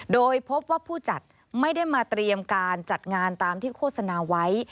โดยพบว่าผู้จัดไม่ได้มาเตรียมการจัดงานตามที่โฆษณาไว้